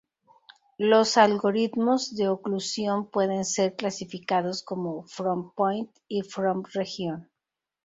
Los algoritmos de oclusión pueden ser clasificados como from-point y from-region.